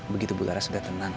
begitu bularas udah tenang